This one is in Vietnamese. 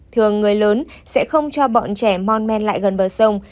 thường người lớn sẽ không cho bọn trẻ non men lại gần bờ sông